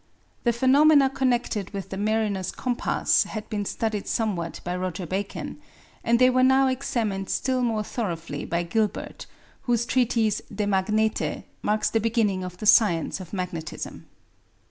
The phenomena connected with the mariner's compass had been studied somewhat by Roger Bacon; and they were now examined still more thoroughly by Gilbert, whose treatise De Magnete, marks the beginning of the science of magnetism.